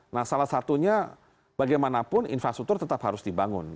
nah salah satunya bagaimanapun infrastruktur tetap harus dibangun